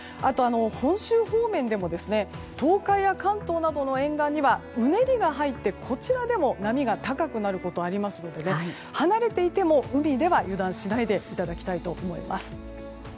本州方面でも東海や関東の沿岸にはうねりが入って、こちらでも波が高くなることがありますので離れていても、海では油断しないでいただきたいと思います。